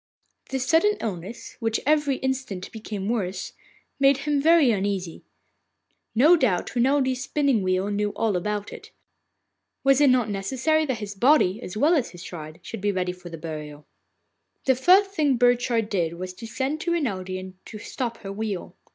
This sudden illness, which every instant became worse, made him very uneasy. No doubt Renelde's spinning wheel knew all about it. Was it not necessary that his body, as well as his shroud, should be ready for the burial? The first thing Burchard did was to send to Renelde and to stop her wheel.